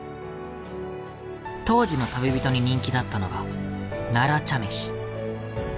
当時の旅人に人気だったのが奈良茶飯。